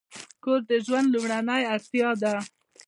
کور د ژوند لومړنۍ اړتیا ده.